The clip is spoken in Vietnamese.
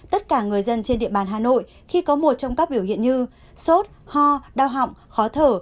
tất cả người dân trên địa bàn hà nội khi có một trong các biểu hiện như sốt ho đau họng khó thở